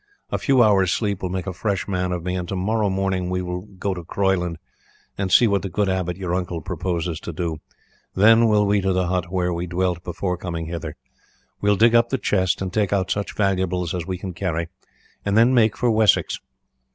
A few hours' sleep will make a fresh man of me, and to morrow morning we will go to Croyland and see what the good abbot your uncle proposes to do, then will we to the hut where we dwelt before coming hither. We will dig up the chest and take out such valuables as we can carry, and then make for Wessex.